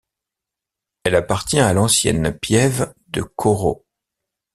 Elle appartient à l'ancienne piève de Cauro.